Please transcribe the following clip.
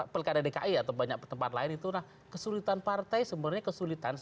pekan dki atau banyak tempat lain itu nah kesulitan partai sebenarnya kesulitan